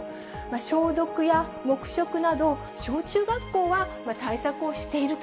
消毒や黙食など小中学校は対策をしていると。